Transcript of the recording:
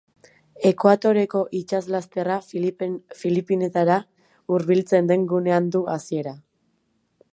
Ekuatoreko itsaslasterra Filipinetara hurbiltzen den gunean du hasiera.